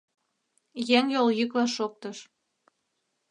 Еҥ йолйӱкла шоктыш.